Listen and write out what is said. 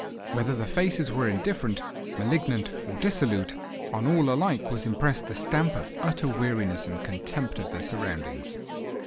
Whether the faces were indifferent, malignant, or dissolute, on all alike was impressed the stamp of utter weariness and contempt of their surroundings.